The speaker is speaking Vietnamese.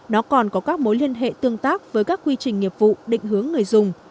nó còn có các mối liên hệ tương tác với các quy trình nghiệp vụ định hướng người dùng